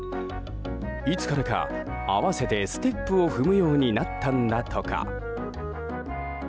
いつからか、合わせてステップを踏むようになったんだとか。